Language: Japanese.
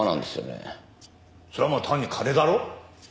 それはまあ単に金だろ？